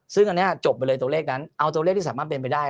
ซึ่งอันนี้จบไปเลยตัวเลขนั้นเอาตัวเลขที่สามารถเป็นไปได้